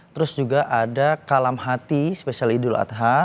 terus juga ada kalam hati spesial idul adha